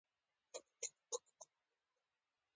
کابل د افغانستان د ملي هویت نښه ده.